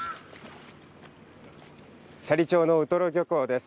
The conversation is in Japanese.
斜里町のウトロ漁港です。